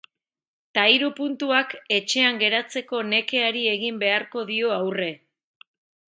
Ta hiru puntuak etxean geratzeko nekeari egin beharko dio aurre.